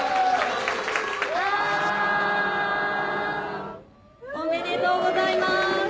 あん。おめでとうございます。